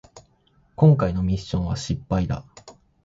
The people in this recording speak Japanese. こんかいのミッションは失敗だ